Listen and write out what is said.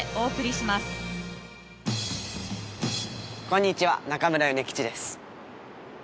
こんにちは中村米吉です。